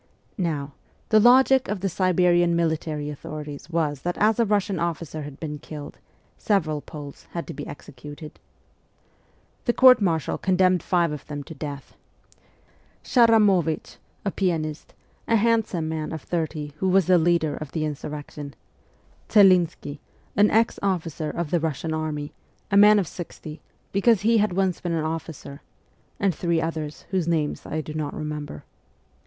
Now, the logic of the Siberian military authorities was that as a Kussian officer had bsen killed several Poles had to be executed. The court martial con demned five of them to death : Szaramowicz, a pianist, a handsome man of thirty who was the leader of the in surrection ; Celinski, an ex officer of the Russian army, a man of sixty, because he had once been an officer ; and three others whose names I do not remember.